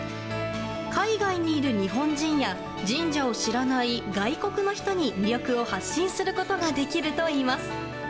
海外にいる日本人や神社を知らない外国の人に魅力を発信することができるといいます。